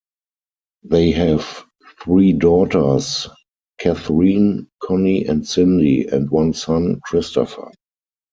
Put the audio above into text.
They have three daughters, Catherine, Connie and Cindy, and one son, Christopher.